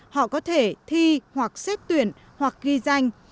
họ có thể thi hoặc xếp tuyển hoặc ghi danh